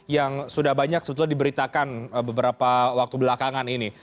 yang sudah banyak sebetulnya diberitakan beberapa waktu belakangan ini